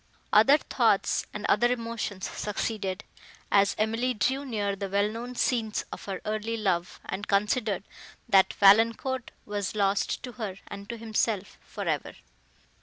Other thoughts and other emotions succeeded, as Emily drew near the well known scenes of her early love, and considered, that Valancourt was lost to her and to himself, for ever.